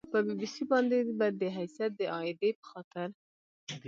په بي بي سي باندې به د حیثیت د اعادې په خاطر